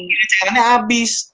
ini cairannya abis